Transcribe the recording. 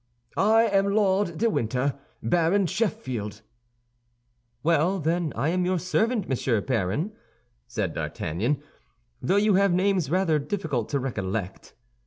"I am Lord de Winter, Baron Sheffield." "Well, then, I am your servant, Monsieur Baron," said D'Artagnan, "though you have names rather difficult to recollect."